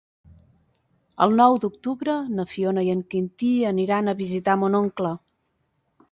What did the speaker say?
El nou d'octubre na Fiona i en Quintí aniran a visitar mon oncle.